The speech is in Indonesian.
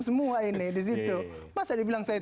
semua ini disitu masa dibilang saya